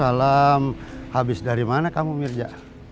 oma istirahat ya